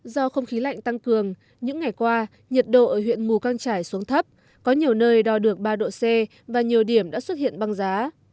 do không khí lạnh tăng cường những ngày qua nhiệt độ ở huyện mù căng trải xuống thấp có nhiều nơi đo được ba độ c và nhiều điểm đã xuất hiện băng giá